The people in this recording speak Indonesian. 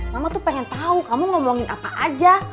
mama tuh pengen tahu kamu ngomongin apa aja